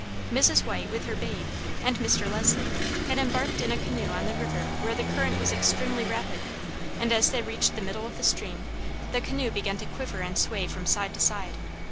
Mrs. White, with her babe, and Mr. Leslie, had embarked in a canoe on the river where the current was extremely rapid, and as they reached the middle of the stream, the canoe began to quiver and sway from side to side.